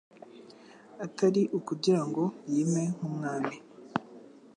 Atari ukugira ngo yime nk’Umwami,